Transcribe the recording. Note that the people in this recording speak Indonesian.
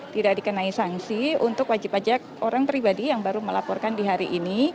tidak dikenai sanksi untuk wajib pajak orang pribadi yang baru melaporkan di hari ini